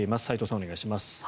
斎藤さん、お願いします。